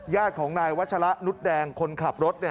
ญาติของนายวัชละนุษย์แดงคนขับรถ